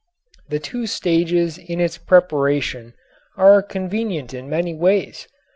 The two stages in its preparation are convenient in many ways.